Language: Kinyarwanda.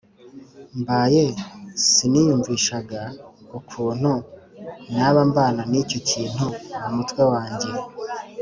Mbaye siniyumvishaga ukuntu naba mbana n icyo kintu mu mutwe wanjye